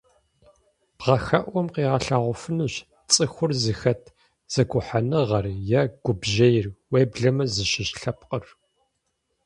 Бгъэхэӏум къигъэлъэгъуэфынущ цӏыхур зыхэт зэгухьэныгъэр е гупжьейр, уеблэмэ зыщыщ лъэпкъыр.